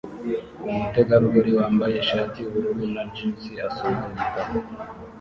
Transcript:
Umutegarugori wambaye ishati yubururu na jans asoma igitabo